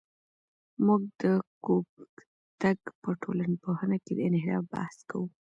موږ د کوږتګ په ټولنپوهنه کې د انحراف بحث کوو.